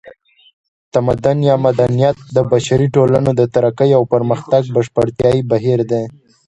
تمدن یا مدنیت د بشري ټولنو د ترقۍ او پرمختګ بشپړتیایي بهیر دی